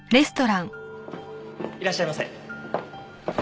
いらっしゃいませ。